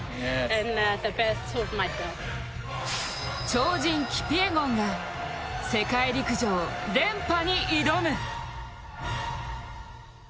超人キピエゴンが世界陸上連覇に挑む。